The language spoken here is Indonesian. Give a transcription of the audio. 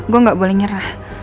gue gak boleh nyerah